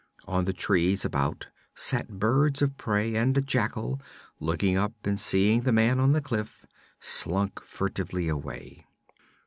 On the trees about sat birds of prey, and a jackal, looking up and seeing the man on the cliff, slunk furtively away.